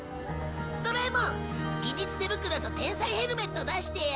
ドラえもん技術手袋と天才ヘルメット出してよ。